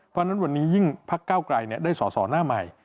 เพราะฉะนั้นวันนี้ยิ่งพักเก้าไกลได้สอสอหน้าใหม่